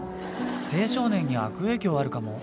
青少年に悪影響あるかも。